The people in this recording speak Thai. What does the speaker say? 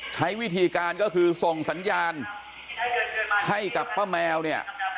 ใช้วิธีการก็คือส่งสัญญาณให้กับป้าแมวเนี่ย